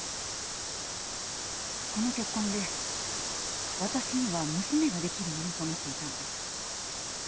この結婚で私には娘ができるものと思っていたんです